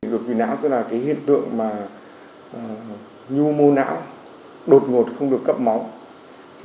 đột quỵ não tức là hiện tượng nhu mô não đột ngột không được cấp máu